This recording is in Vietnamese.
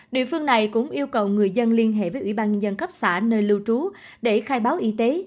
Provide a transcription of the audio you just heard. địa phương này cũng yêu cầu người dân liên hệ với ủy ban nhân dân cấp xã nơi lưu trú để khai báo y tế